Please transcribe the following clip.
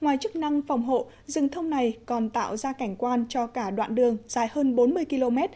ngoài chức năng phòng hộ rừng thông này còn tạo ra cảnh quan cho cả đoạn đường dài hơn bốn mươi km